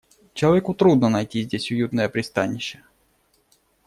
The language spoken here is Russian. Человеку трудно найти здесь уютное пристанище.